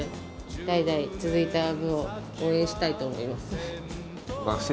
代々続いた部を応援したいと思います。